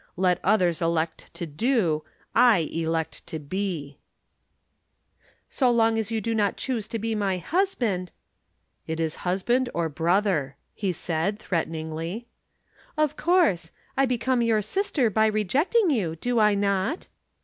Let others elect to do, I elect to be." "So long as you do not choose to be my husband " "It is husband or brother," he said, threateningly. "Of course. I become your sister by rejecting you, do I not?"